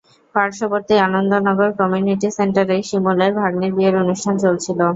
পার্শ্ববর্তী আনন্দনগর কমিউনিটি সেন্টারেই শিমুলের ভাগনির বিয়ের অনুষ্ঠান চলছিল।